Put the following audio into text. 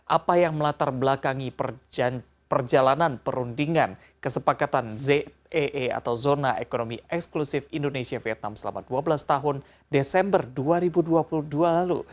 apa yang melatar belakangi perjalanan perundingan kesepakatan zee atau zona ekonomi eksklusif indonesia vietnam selama dua belas tahun desember dua ribu dua puluh dua lalu